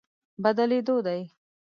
بدلېدو دی.